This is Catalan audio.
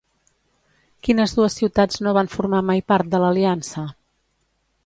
Quines dues ciutats no van formar mai part de l'aliança?